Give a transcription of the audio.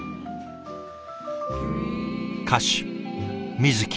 歌手水木